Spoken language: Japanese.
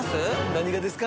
何がですか？